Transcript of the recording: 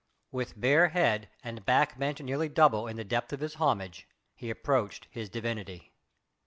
With bare head and back bent nearly double in the depth of his homage he approached his divinity.